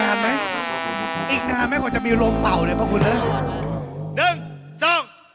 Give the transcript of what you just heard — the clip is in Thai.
อีกนานไหมอีกนานไหมกว่าจะมีลมเป่าเลยพระคุณนะ